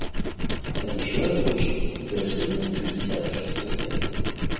Это еще раз получило подтверждение на шестьдесят шестой сессии.